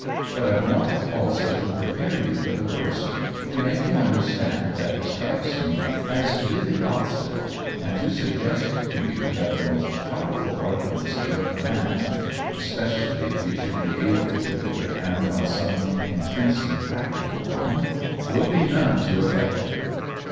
But IVe wanted also to prepare you for the worst, to make you understand that he strikes me as really obstinate, and to suggest to you that the most powerful arguments at your command —especially if you should be able to put your hand on some intensely practical one — will be none too effective."